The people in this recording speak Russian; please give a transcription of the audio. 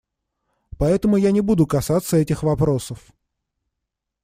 Поэтому я не буду касаться этих вопросов.